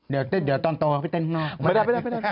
เดี๋ยวตอนโตไปเต้นข้างหน้า